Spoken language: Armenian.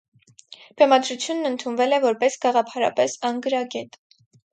Բեմադրությունն ընդունվել է որպես «գաղափարապես անգրագետ»։